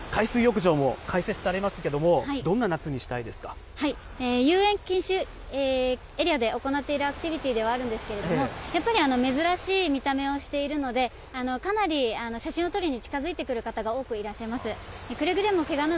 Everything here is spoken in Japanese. そして、ことしは海水浴場も開設されますけども、どんな夏にした遊泳禁止エリアで行っているアクティビティーではあるんですけれども、やっぱり珍しい見た目をしているので、かなり写真を撮りに近づいてくる方が多くいらっしゃいます。